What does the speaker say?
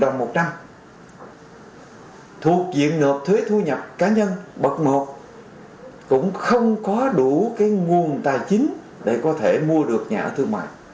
trong một năm thuộc diện ngợp thuế thu nhập cá nhân mật một cũng không có đủ cái nguồn tài chính để có thể mua được nhà ở thương mại